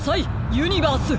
ユニバース！